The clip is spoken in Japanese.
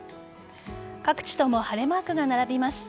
各地とも晴れマークが並びます。